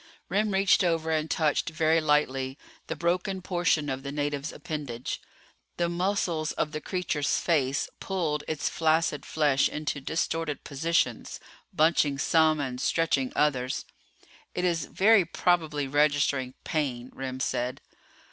Remm reached over and touched very lightly the broken portion of the native's appendage. The muscles of the creature's face pulled its flaccid flesh into distorted positions, bunching some and stretching others. "It is very probably registering pain," Remm said.